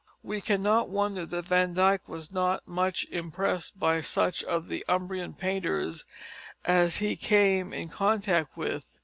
We cannot wonder that Van Dyck was not much impressed by such of the Umbrian painters as he came in contact with.